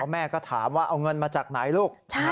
แม่ก็ถามว่าเอาเงินมาจากไหนลูก